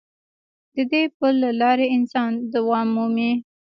د دې پل له لارې انسان دوام مومي.